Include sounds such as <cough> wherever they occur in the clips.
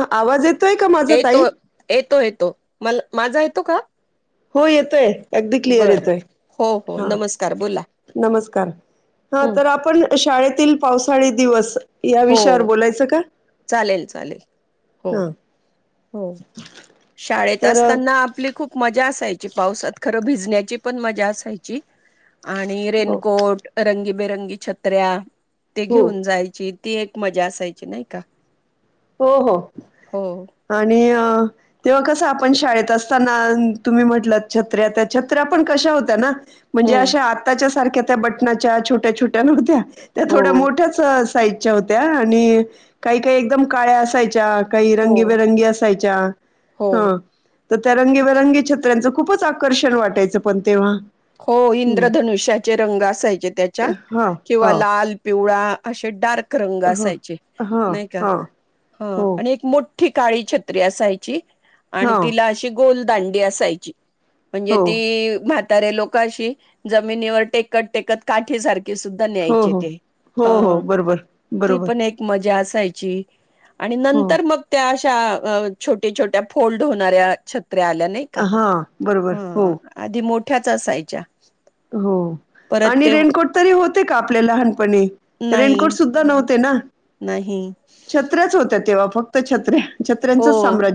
हा आवाज ये येतो येतो येतो मला माझा येतो का? हो येतोय. अगदी क्लिअर बरं येतोय हो हो हा नमस्कार बोला नमस्कार हा हं तरं आपण शाळेतील पावसाळी दिवस या हो विषयावर बोलायचं का चालेल चालेल हो हा. हो. शाळेत तर असताना आपली खूप मजा असाय ची पावसात खरं भिजण्याची पण मजा असायची आणि हो रेनकोट रंगी बेरंगी छत्र्या ते हो घेऊन जायची. ती एक मजा असायची नाही का. हो हो हो आणि अ तेव्हा कसं आपण शाळेत असताना तुम्ही म्हटलं छत्र्या त्या छत्र्या पण कशा होत्या ना म्हणजे हम्म अशा आताच्या सारख्या त्या बटनाच्या छोट्या छोट्या नव्हत्या त्या हो थोड्या मोठ्याच साइ चा होत्या आणि काही-काही एकदम काळ्या असायच्या काही हो रंगीबेरंगी असायच्या हो हा तर त्या रंगीबेरंगी छत्र्यांचा खूपच आकर्षण वाटायचं पण तेव्हा हो हं. इंद्रधनुष्याचे रंग असायचे त्याच्यात हां, किंवा हां, लाल पिवळा अ असे डार्क रंग हां, असायचे हां, नाही का हां, ह हो, आणि एक मोठ ठिकाळी छत्री असायची आणि हां, तिला अशी गोल दांडी असायची. म्हणजे हो, ती म्ह तरे लोकांशी जमिनीवर टेकत टेकत काठी सारखी ते सुद्धा हो, लिहायचे हो, ते, हो, हो, बरोबर, ती बरोबर, पण एक मजा असायची यची आणि हो, नंतर मग त्या त्या अ छोट्या छोट्या फोल्ड होणाऱ्याछ छत्र्या आल्या नही का हां, बरोबर, हो, हम्म आधी मोठया त्याच असायच्या हो परत आणि ते रेनकोट तरी होते का आपल्या लहानपणी रेनकोट नाही सुद्धा नव्हते ना नाही छत्र्याच होत्या तेव्हा फक्त त्त छत्रे हो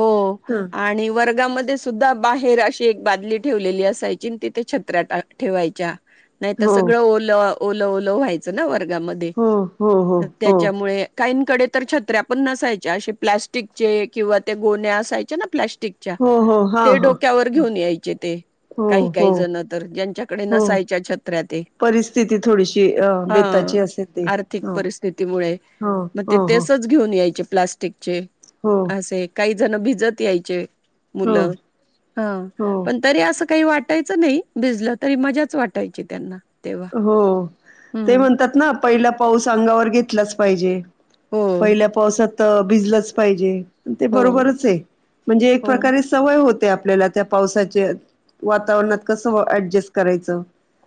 हो हं. आणि वर्गामध्ये सुद्धा बाहेर अशी एक बादली ठेवलेली असायची आणि तिथे छत्र टा ठेवायच्या नाही तर हो, सगळं ओलं ओलं ओलं व्हायच ना व वर्गामध्ये हो, हो, हो, हो, त्याच्यामुळे का <inaudible> तर छत्र्या पण नसायच्या अस प्लॅटिकचे किंवा त्या गोण्या् असायच्या ना प्लास्टिक हो, हो, हां, ते हां. डोक्यावर हां. घेऊन यायचे ते हो, काही हो. काही जण तर ज्यांच्याकडे हो नसायच्या छत्र्याते परिस्थिती थोडीशी अ ह बेताची असेल ती. आर्थिक हो परिस्थितीमुळे हो मग ते हो हो तसंच घेऊन यायचे प्लास्टिक चेे हो असे काही काही जण भिजत यायचे हो मुलं हा हो पण तरी असं काही वाटायचं नाही भिजलं तरी मजाच वाटायची त्यांना तेव्हा हो ते हम्म म्हणतात ना पहिला पाऊस अंगावर घेतलाच पाहिजे हो पहिल्या पावसात भिजलच पाहिजे ते हो बरोबरच आहे म्हणजे एक हो प्रकारे सवय होत ते आपल्याला त्या पावसाच्या वातावरणात कस ऍडजस्ट करायचं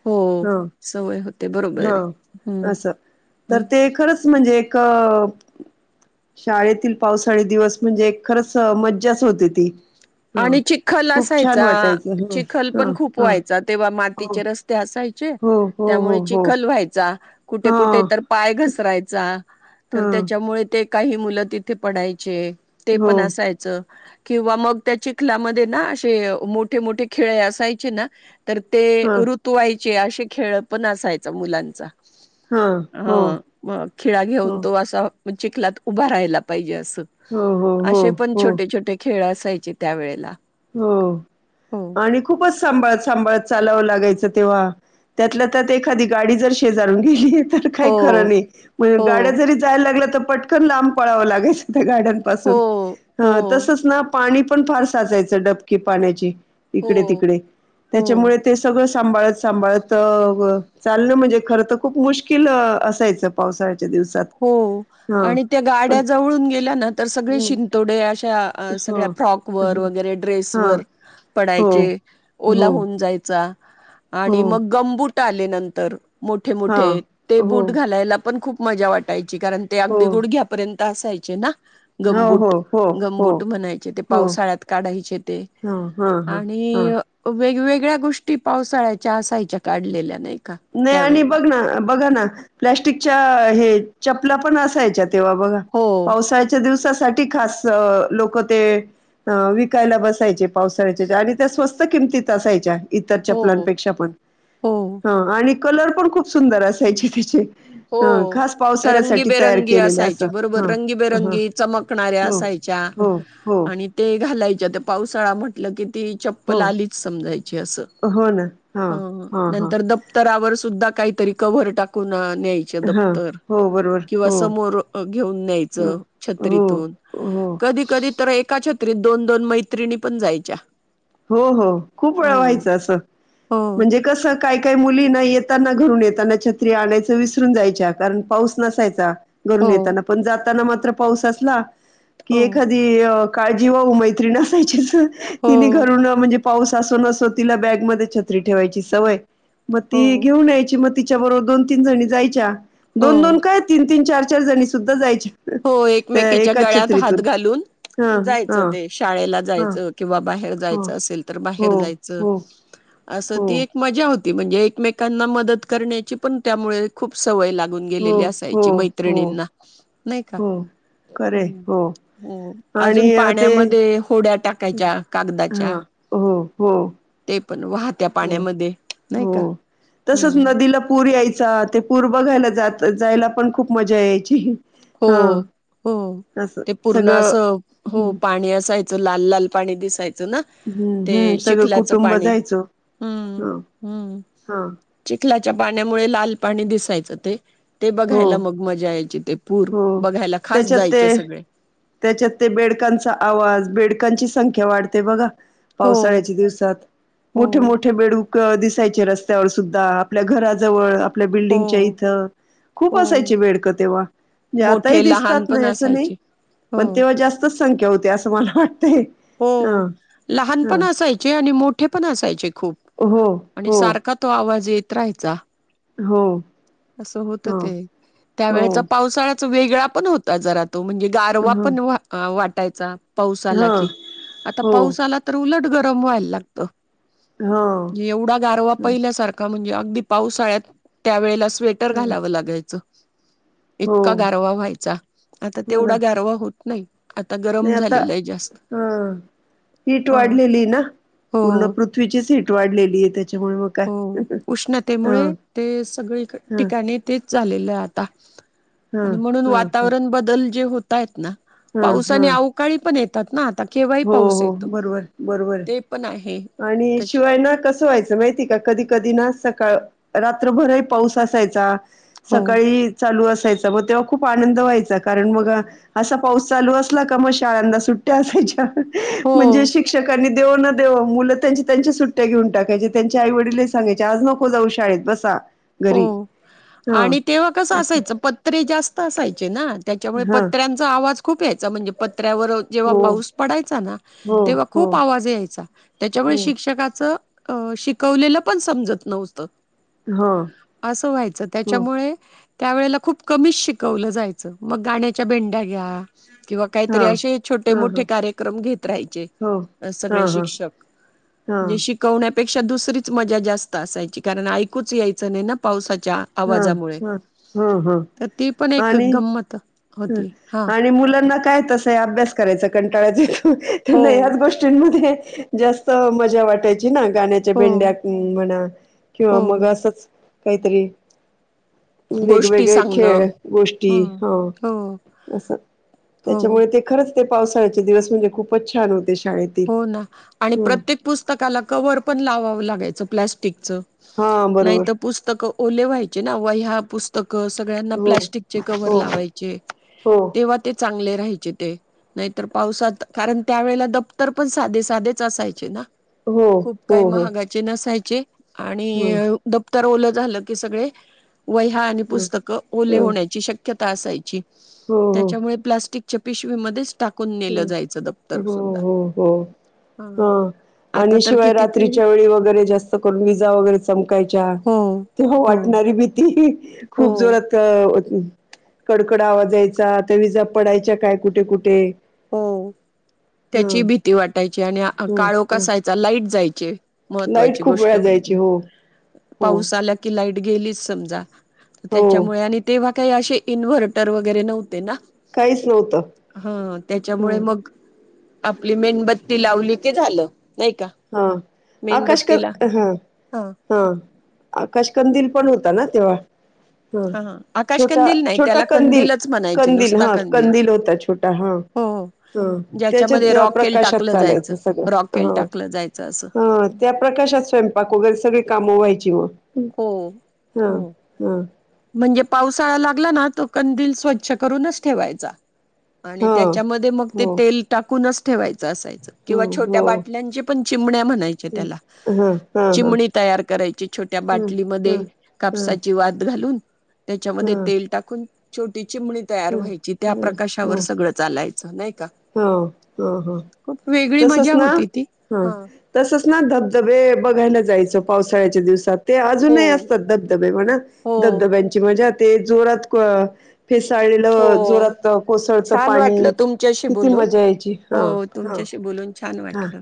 हो ह सवय होते ह बरोबर हम् असं तर हम् ते खरंच म्हणजे एक शाळेतील पावसाळी दिवस म्हणजे खरंच मज्जाच होती ती हा आणि चिखल खूप छान असायचा वाटायचं ह चिखल ह पण खूप ह व्हायचा तेव्हा हो मातीचे रस्ते असायचे हो हो हो हो हा कुठे हा कुठे तर पाय घसरायचा तर हा त्याच्यामुळे ते काही मुलं तिथे पडायचे ते हो पण असायचं किंवा मग त्या चिखलामध्ये ना असे मोठे मोठे खिळे असायचे ना तर ते ह ऋतूवाई जे असे खेळ पण असायचा मुलांचा हा हो हो मग खिळा घेऊन हो तो असा मग चिखलात उभा राहायला पाहिजे असं हो हो असे पण हो छोटे छोटे खेळ असायचे त्यावेेळेला हो आणि खूपच सांभाळत सांभाळत चालावं लागायचं तेव्हा त्यातल्या त्यात एखादी गाडी जर शेजारून गेली हो काय खर नई हो गाड्या जरी जायला लागल्या तर पटकन लांब पळावं लागेच त्या गाड्यांचे हो पासून हो तसाच ना पाणी प पण फार साजाच डबकी पाण्याची इकडे हो तिकडे हो त्याच्यामुळे ते सगळं सांभाळत सांभाळत चाललं म्हणजे खर तर खूप मुश्किल असायचं पावसाळ्याच हो आणि त्या पण गाड्या जवळून गेल्या ना तर सगळे हं, शिंतोडे अशा सगळ्या हां, फ्रॉक हां, वर वगैरे ड्रेस हां. वर हो, पडायचे ओला हो, होऊन जायचा. हो. आणि मग गंबूट. आले नंतर. मोठे हां, मोठे ते हो. बूट घालायला पण खूप. मजा वाट. कारण ते हो. अगदी गुडघ्यापर्यंत. असायचे ना. हो, गंबूट हो, हो, हो, गंबूट म्हणायचे ते हो. पावसाळ्यात काढायचे ते हां, हां, हां, हां. आणि वेगवेग. सगळ्या गोष्टी पावसाळ्याच्या असायच्या काढलेल्या नाहीत. नाही आणि बघ ना बघा ना. प्लॅस्टिकच्या हे चपला पण असायच्यात. तेव्हा बघा हो पावसाळ्याचं दिवस. साठी खास लोक ते विकायला बसायचे पावसाळ्याच्या आणि त्या स्वस्त किमतीत असायच्या. इतर हो चपलांपेक्षा पण. हो आणि कलर पण खूप सुंदर असायचे त्याचे. हं, हो खास पावसाळ्यासाठी तयार रंगीबेरंगी केलेले असं. असायचे बरोबर हां, हां. रंगीबेरंगी चमकणाऱ्या हो, असायच्या हो, हो, आणि ते घालायच्या. ज पावसाळा म्हटलं की. हो. चप्पल आलीच समायची अस हो ना. हां, हां, हां. नंतर दप्तरावर सुधा काही. तरी कव्हवर टाकून. न्यायचे हा दप्तर हो बरोबर किव्हा हो समोर घेऊन ह न्यायचं हो छत्रीतून हो कधी कधी तर एका छत्री. दोन दोन मैत्रिणी पण जायच्या. हो हो खूप वेळ हो व्हायचं असं हो म्हणजे कसं काय काय मुली नाही येत. येताना घरून येताना छत्री आणायच विसरून जायच्या कारण पाऊस नसायचा. हो घरून येताना पण जात. जाताना मात्र पाऊस असला. कि हो एखादी अ काळजी वा उ मैत्री नसायचीच. हो. म्हणजे पाऊस असो न असो तिला बॅगमध्येध्ये छत्री ठेवायची सवय! मग हो ती घेऊन यायची मग - तिच्या बरोबर दोन तीन जणी जायच्या! दोन- दोन हो काय तीन -तीन चार! चार जणी सुद्धा जायच्या! हो त्या एकमेकींच्या एकाच गळ्यात छत्रीतून हात घालून हा हा जायचं ते शाळेला हा जायचं किंवा बाहेर हो जायचं असेल तर हो बाहेर जायच हो असं हो ती एक मजा होती. ती म्हणजे एकमेकांना मदत करण्याची पण त्यामुळे खूप सवय लाग गून हो गेलेली हो असायची हो मैत्रिणींना. नाही का हो खरे हो हो आणि अजून ते पाण्यामध्ये होड्या टाकायच्या कागदाच्या हा हो हो. ते पण वाहत्या हो पाण्यामध्ये नाही हो का तसच हम्म नदीला पूर यायचा ते पूर बघायला जात जायला पण खूप मजा यायची. हो हा हो असं ते पूर्ण सगळं असं हो हम्म पाणी असाय लाल -लाल पाणी दिसायच. दिसायचं ना ते हम्म हम्म सगळं चिखलाच कुटुंब पाणी जायचो हां ह हा हा चिखलाच च्या पाण्यामुळे लाल पाणी दिसायचं त ते हो बघायला मग मजा यायची ते. पूर हो बघायला खास त्याच्यात जायचे ते सगळे. त्याच्यात ते बेडकांचा आवाज बेडकांची संख्या वाढते बघा. हो, पावसाळ्याच्या दिवसात हो, मोठे मोठे बेडूक दिसायचे रस्त्यावर सुद्धा आपल्या घराजवळ आपल्या बिल्डिंगच्या हो, इथं खूप हो. असायची बेडक तेंव्हा म्हणजे आताही मोठे लहान दिसतात पण नाही असं नाही असायचे. हो, पण तेव्हा जास्तच संख्या होते असं मला वाटतंय. हो हा लहान हा पण असायचे आणि मोठे पण असायचे खूप हो आणि हो सारखा तो आ आवाज येत राहायचा. हो अस होत ह ते हो त्यावेळेचा पावसाळा वेगळा पण होता जरा. त म्हणजे ह गारवा ह पण वाटातो. यायचा. पाऊस आला की. आता हो पाऊस आला तर उलट गर कमवाय लागतो. ह म्हे एवढा गारवा ह पहिल्यासारखा म्हणजे अगदी पावसाळ्यात त्यावेळेलाच स्वेटर ह घालावं लागायचं. हो इतका गारवा व्हायचा आता हो ना तेवढा गॅरवा होत नाही. आता गरम झालेलंय जास्त हं हीट ह वाढलेलीय ना हो पूर्ण पृथ्वीचीचं तीट वाढलेलीये त्यात हो उष्णतेमुळे ते सगळी क ह ह ठिकाणी ते चालेलंय आता ह आणि म्हणून ह वातावरण बदल जे होत तायेत ना ह ह पावसाने अवकाळी पण येत तात ना आता केव्हाही हो पाऊस हो येतो बरोबर बरोबर ते पण आहे आणि त्याच्या शिवाय ना कसं व्हायचं माहितीये का कधी कधी ना सकाळ रात्रभरही पाऊस असायचा. हो सकाळी चालू अस यचा मग तेव्हा खूप आनंद व्हायचा कारण मग असा पाऊस चालू असला का मग शाळांना सुट्टी असायची. <unintelligible> हो म्हणजे शिक्षकांनी देवो न देवो मुलं त्यांच्या त्यांच्या सुट्ट्या घेऊन टाकायचे त्यांच्या आई वडीललही सांगायचे आज नको जाऊ शाळेत बसा. घरी हो हा आणि तेव्हा कसं असं असायचं पत्रे जास्त असाय चेना त्याच्यामुळे हा पत्र्यांचा आवाज खूप यायचा म्हणजे पत त्र्यावर जेव्हा हो पाऊस पडायचा ना हो तेव्हा हो खूप आवाज याय त्याच्यामुळे हो शिक्षकाचं अ शिकवलेलं पण समजत नव्हतं. हो असं व्हायचं हो त्याच्यामुळे त्या वेळेला खूप कमी शिकवलं जायचं मग गाण्याच्या भेंड्या घ्या. किंवा काहीतरी हा असे हा छोटे-मोठे हा कार्यक्रम घेत राहायचे हो अ हा सगळे हा शिक्षक हा जे शिकवण्या त्यापेक्षा दुसरीच मजा जास्त असायची कारण ऐकूच याय च नाही ना पावसा त्या हां, आवाजामुळे हां. हां, तर ती पण एक गंमत ह होती हा. आणि मूलं मग काय तसं ही अभ्यास करायचा कंटाळाच ये त्यांना हो याच गोष्टीनंमध्ये जास्त मजा वाटायची. ते ना गाण्याच्या हो भेंड्या म्हणा किंवा हो मग असंच काहीतरी गोष्टी वेगवेगळे सांगणं खेळ गोष्टी हो असं हो त्याच्यामुळे ते खरंच ते पावसाळ्याचे दिवस म्हणजे खुपचं छान होते. शाळेतील. हो ना आणि हं. प्रत्येक पुस्तकाला कवर पण लावावं लागायचं. प्लॅस्टिकचं. हां, नाही बरोबर. तरं पुस्तकं ओले व्हायचे ना वह्या पुस्तक अ सगळ्यांना हो. प्लास्टिकचे कव्हर हो, लावायचे हो, तेव्हा ते चांगले न्यायेचे ते नाहीतर पावसात कारण त्यावेळला दप्त तर पण साधे साधेच असायचे ना. हो, खूप हो, काही हो. महागाचे नसाय चे हं, आणि दप्त तर ओलं झालं की सगळे वह्या आणि हं, पुस्तकं ओले हं. होण्याची शक्य क्यता असायची हो, हो. त्याच्यामुळे प्लास्टिक च्या पिशवी मध्येच टाकून नेलं हं. जायचं दफ्तर हो सुद्धा हो हो, ह हा आता आणि तर शिवाय कितीतरी रात्रीच्या वेळी वगैरे जास्त करून विजा वगैरे चमकायच्या हो तेव्हा हो वाटणारी भीती <unintelligible> हो खूप जोरात कडकड आवाज यायचा त्या विजा पडायच्या काय कुठे कुठे हो त्याची हं, भीती वाटायची आणि हं, काळोख हं. असायचा लाईट जाय चे लाईट महत्वाची खूप गोष्ट वेळा जायची म्हणजे हो, हो, पाऊस आला कि लाईट गेली समजा हो. त्याच्यामुळे आणि तेंव्हा काही आशे इनव्हर्टर वगैरे नव्हते ना? काहीच नव्हतं. तेच्यामुळे हं, मग आपली मेणबत्ती लावली की झालं. नाही का हा, आकाश क मेणबत्तीला हा, हा आकाशकंदील पण होता ना तेव्हा हा आकाश छोटा कंदील नाही छोटा त्याला कंदील कंदीलच म्हणायचे कंदील नुसता हा कंदील होता छोटा हा हो हा ज्याच्यामध्ये तेच्यांत्न रॉकेल प्रकाशात टाकलं जायचं चालायचं सगळं रॉकेल हा टाकलं जायचं असं हा त्या प्रकाशात स्वयंपाक वगैरे सगळे काम व्हायची म हो हा हो हा म्हणजे पावसाळा लागला ना तो कंदील स्वच्छ करूनच ठेवायचा. आणि हा त्याच्यामध्ये मग ते हो तेल टाकून अस ठेवाय च असायच हो किंवा छोट्या हो बाटल्यांच्या पण चिमण्या म्हणायचे त्याला, हा हा हा चिमणी तयार करायची छोट्या ह ह बाटलीमध्ये ह ह कापसाची वात घालून त्याच्यामध्ये तेल टाकून छोटी चिमणी ह, तयार व्हायची त्या ह, ह, प्रकाशावर सगळं चालायचं नाही का हा, हा, हा, खूप वेगळी तसच मजा ना होती ती हा तसच ना धबधबे बघायला जाय च पावसाळ्याच्या दिवसात. ते हो आजूनही असतात धबधबे म्हणा, हो धबधब्यांची मजा ते जोरात फेस चाळेलं हो जोरात कोसळत छान वाटलं पाणी, तुमच्याशी किती बोलून मजा यायची, हा हो हा तुमच्याशी बोलून छान हा, वाटलं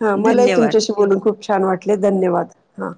हा. मलाही धन्यवाद तुमच्याशी बोलून खूप छा छान वाटले. धन्यवाद! हा.